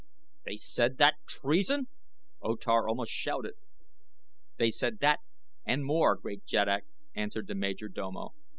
"They said that treason?" O Tar almost shouted. "They said that and more, great jeddak," answered the major domo.